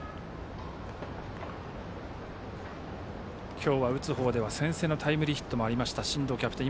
今日は、打つ方では先制のタイムリーヒットもあった進藤キャプテン。